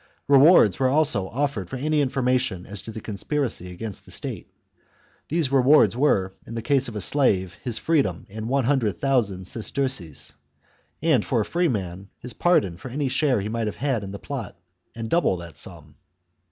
Rewards were also offered for any infor mation as to the conspiracy against the state. These rewards were, in the case of a slave, his freedom and one hundred thousand sesterces (;^85o), and for a free man, a pardon for any share he might have had in the plot and double that sum.